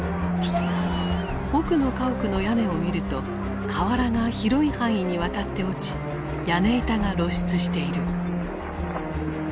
奥の家屋の屋根を見ると瓦が広い範囲にわたって落ち屋根板が露出している。